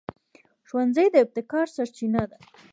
ښوونځی د ابتکار سرچینه ده